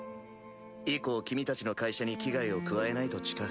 以降君たちの会社に危害を加えないと誓う。